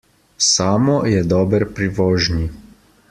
Samo je dober pri vožnji.